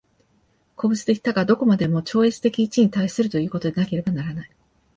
個物的多が何処までも超越的一に対するということでなければならない。